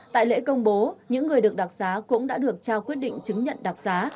tại lễ công bố những người được đặc giá cũng đã được trao quyết định chứng nhận đặc giá